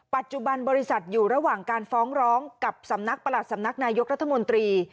ปัจจุบันบริษัทอยู่ระหว่างการฟ้องร้องกับสำนักประหลัดสำนักนายกรัฐมนตรี